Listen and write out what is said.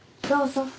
どうぞ。